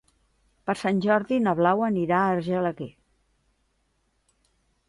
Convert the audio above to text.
Per Sant Jordi na Blau anirà a Argelaguer.